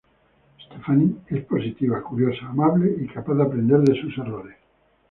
Stephanie es positiva, curiosa, amable, y capaz de aprender de sus errores.